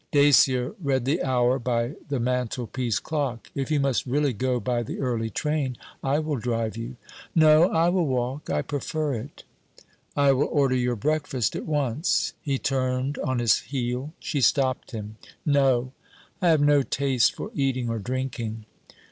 Dacier read the hour by the mantelpiece clock. 'If you must really go by the early train, I will drive you.' 'No, I will walk; I prefer it.' 'I will order your breakfast at once.' He turned on his heel. She stopped him. 'No, I have no taste for eating or drinking.'